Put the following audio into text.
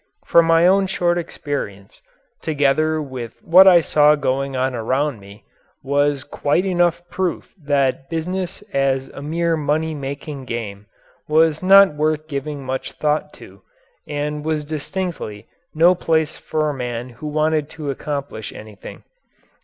For my own short experience, together with what I saw going on around me, was quite enough proof that business as a mere money making game was not worth giving much thought to and was distinctly no place for a man who wanted to accomplish anything.